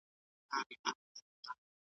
تاسي ولي د یووالي په اهمیت پوه نه سواست؟